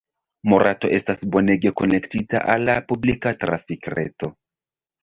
Morato estas bonege konektita al la publika trafikreto.